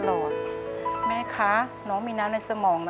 ขอเอ็กซาเรย์แล้วก็เจาะไข่ที่สันหลังค่ะ